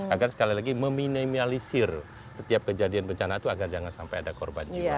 agar sekali lagi meminimalisir setiap kejadian bencana itu agar jangan sampai ada korban jiwa